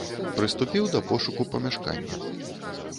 Прыступіў да пошуку памяшкання.